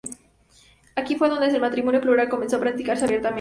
Aquí fue donde el matrimonio plural comenzó a practicarse abiertamente.